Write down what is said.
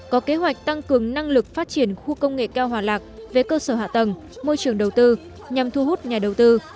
có kế hoạch tăng cường năng lực phát triển khu công nghệ cao hòa lạc về cơ sở hạ tầng môi trường đầu tư nhằm thu hút nhà đầu tư